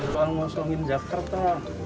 soal musuhin jakarta